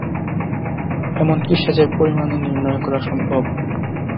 এমনকি সেচের পরিমাণ নির্ণয় করা সম্ভব।